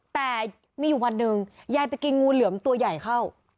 แต่มีอยู่วันหนึ่งยายไปกินงูเหลือมตัวใหญ่เข้า